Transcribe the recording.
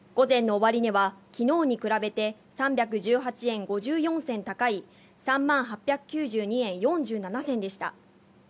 午前の終値は昨日に比べて、３１８円５４銭高い３万８９２円４７銭でした。